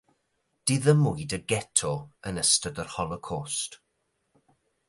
Diddymwyd y geto yn ystod yr Holocost.